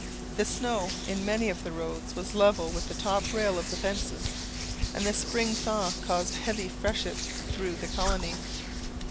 The snow in many of the roads was level with the top rail of the fences, and the spring thaw caused heavy freshets through the colony.